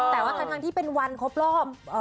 แต่ว่าทั้งที่เป็นวันครบรอบ